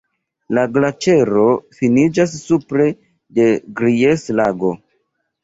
La glaĉero finiĝas supre de Gries-Lago.